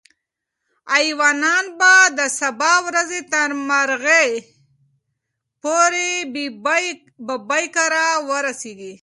ایوانان به د سبا ورځې تر غرمې پورې ببۍ کره ورسېږي.